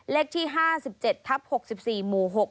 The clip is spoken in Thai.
เลขที่๕๗ทับ๖๔หมู่๖